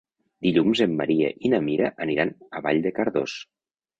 Dilluns en Maria i na Mira aniran a Vall de Cardós.